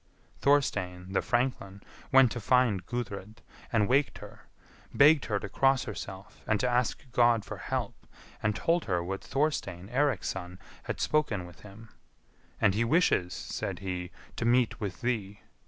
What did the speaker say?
Thorstein, the franklin, went to find Gudrid, and waked her; begged her to cross herself, and to ask God for help, and told her what Thorstein, Eirik's son, had spoken with him; "and he wishes," said he, "to meet with thee.